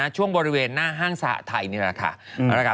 ช่วงบริเวณหน้าห้างสหทัยนี่แหละค่ะ